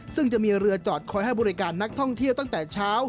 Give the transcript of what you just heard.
ซึ่งจะมีเรือจอดคอยให้บริการนักท่องเที่ยวตั้งแต่เช้า